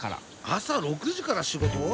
朝６時から仕事？